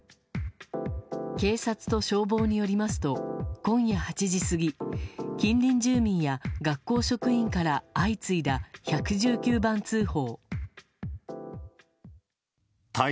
警察と消防によりますと今夜８時過ぎ近隣住民や学校職員から相次いだ１１９番通報。